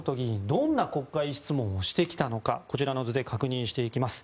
どんな国会質問をしてきたのかこちらの図で確認していきます。